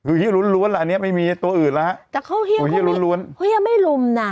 คือเฮียล้วนแหละนี่ไม่มีตัวอื่นแล้วครับ